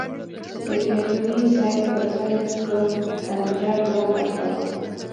د کریمي صیب پر ځای به کمپیوټر ځواب ورکاوه.